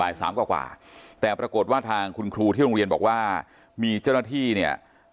สามกว่าแต่ปรากฏว่าทางคุณครูที่โรงเรียนบอกว่ามีเจ้าหน้าที่เนี่ย